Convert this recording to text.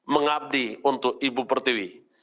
mengabdi untuk ibu pertiwi